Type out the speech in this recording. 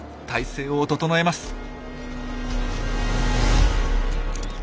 体勢を整えます。